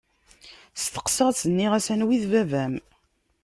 Steqsaɣ-tt, nniɣ-as: Anwa i d baba-m?